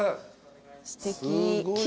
すてき。